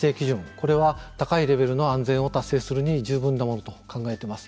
これは高いレベルの安全を達成するに十分なものと考えてます。